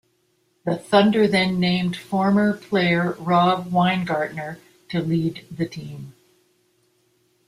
The Thunder then named former player Rob Weingartner to lead the team.